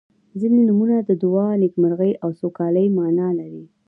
• ځینې نومونه د دعا، نیکمرغۍ او سوکالۍ معنا لري.